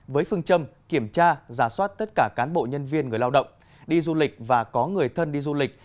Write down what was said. với phương châm kiểm tra giả soát tất cả cán bộ nhân viên người lao động đi du lịch và có người thân đi du lịch